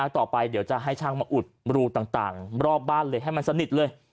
ต่อไปเดี๋ยวจะให้ช่างมาอุดรูต่างรอบบ้านเลยให้มันสนิทเลย